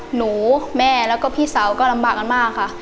หนูแม่แล้วก็พี่สาวก็ลำบากกันมากค่ะ